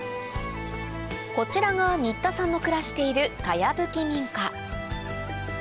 こちらが新田さんの暮らしている茅ぶき民家